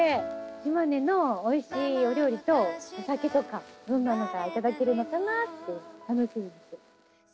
島根のおいしいお料理とお酒とかどんなのがいただけるのかなって楽しみです。